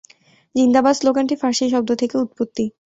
জিন্দাবাদ স্লোগানটি ফার্সি শব্দ থেকে উৎপত্তি।